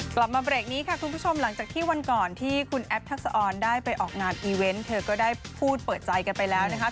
กลับมาเบรกนี้ค่ะคุณผู้ชมหลังจากที่วันก่อนที่คุณแอฟทักษะออนได้ไปออกงานอีเวนต์เธอก็ได้พูดเปิดใจกันไปแล้วนะคะ